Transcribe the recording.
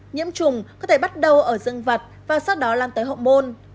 nhiễm trùng có thể bắt đầu ở dương vật và sau đó lan tới hóng môn